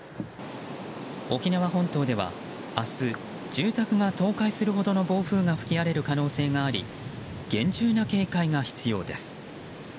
沖縄本島では明日、住宅が倒壊するほどの暴風が吹き荒れる可能性があり厳重な警戒が必要です。